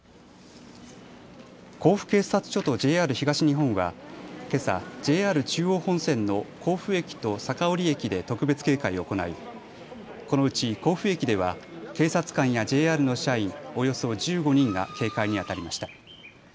甲府警察署とＪＲ東日本はけさ、ＪＲ中央本線の甲府駅と酒折駅で特別警戒を行い、このうち甲府駅では警察官やＪＲの社員およそ１５人が警戒にあたりました。